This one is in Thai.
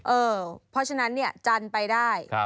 เออเพราะฉะนั้นจันทร์ไปได้